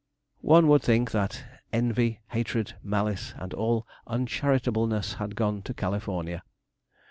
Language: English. One would think that 'envy, hatred, malice, and all uncharitableness' had gone to California.